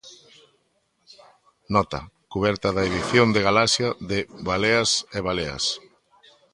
Nota: cuberta da edición de Galaxia de 'Baleas e baleas'.